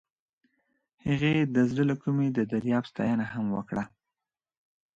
هغې د زړه له کومې د دریاب ستاینه هم وکړه.